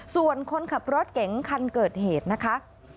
ส่วนคนขับรถเก๋งคันเกิดเหตุนะคะ